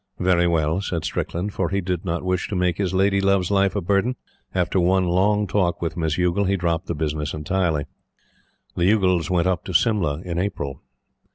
"Very well," said Strickland, for he did not wish to make his lady love's life a burden. After one long talk with Miss Youghal he dropped the business entirely. The Youghals went up to Simla in April.